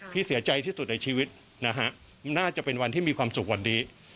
เสียใจที่สุดในชีวิตนะฮะน่าจะเป็นวันที่มีความสุขวันนี้